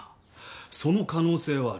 その可能性はある。